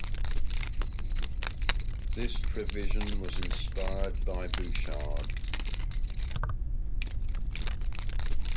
This provision was inspired by Bouchard.